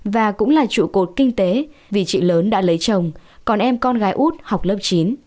và cũng là trụ cột kinh tế vì chị lớn đã lấy chồng còn em con gái út học lớp chín